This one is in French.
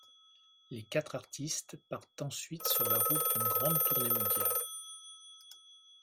Les quatre artistes partent ensuite sur la route d'une grande tournée mondiale.